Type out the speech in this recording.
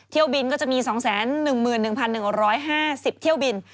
เที่ยวบินก็จะมี๒๑๑๑๕๐เที่ยวบิน